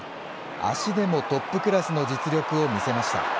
足でもトップクラスの実力を見せました。